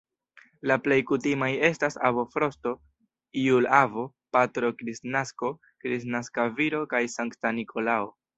La plej kutimaj estas "Avo Frosto", "Jul-Avo", "Patro Kristnasko", "Kristnaska Viro" kaj "Sankta Nikolao".